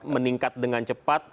meningkat dengan cepat